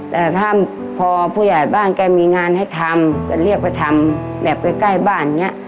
แต่ถ้าพอผู้ใหญ่บ้านแกมีงานให้ทำก็เรียกไปทำแบบใกล้บ้านอย่างนี้